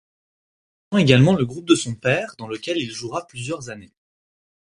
Il rejoint également le groupe de son père dans lequel il jouera plusieurs années.